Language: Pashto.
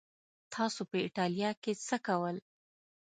تاسو په ایټالیا کې څه کول؟